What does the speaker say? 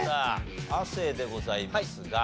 亜生でございますが。